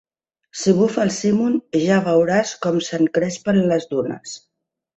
Si bufa el simun ja veuràs com s'encrespen les dunes!